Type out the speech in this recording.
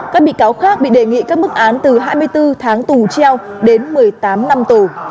các bị cáo khác bị đề nghị các mức án từ hai mươi bốn tháng tù treo đến một mươi tám năm tù